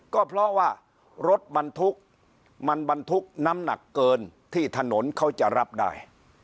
ก็เพราะว่ารถบรรทุกมันบรรทุกน้ำหนักเกินที่ถนนเขาจะรับได้